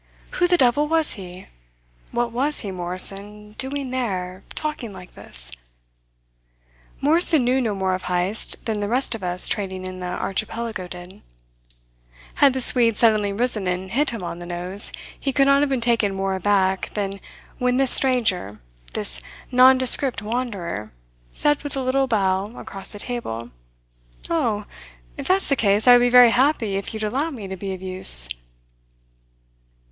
Who the devil was he? What was he, Morrison, doing there, talking like this? Morrison knew no more of Heyst than the rest of us trading in the Archipelago did. Had the Swede suddenly risen and hit him on the nose, he could not have been taken more aback than when this stranger, this nondescript wanderer, said with a little bow across the table: "Oh! If that's the case I would be very happy if you'd allow me to be of use!"